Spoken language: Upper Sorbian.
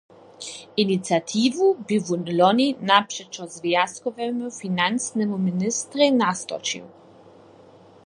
Iniciatiwu bě wón loni napřećo zwjazkowemu financnemu ministrej nastorčił.